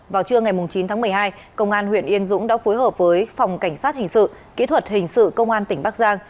vào trưa ngày chín tháng một mươi hai công an huyện yên dũng đã phối hợp với phòng cảnh sát hình sự kỹ thuật hình sự công an tỉnh bắc giang